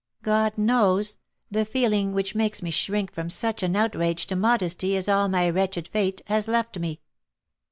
God knows, the feeling which makes me shrink from such an outrage to modesty is all my wretched fate has left me!"